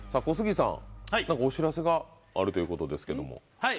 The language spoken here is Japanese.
小杉さん何かお知らせがあるということですけども。